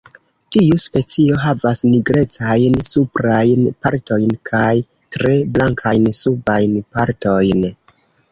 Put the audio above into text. Tiu specio havas nigrecajn suprajn partojn kaj tre blankajn subajn partojn.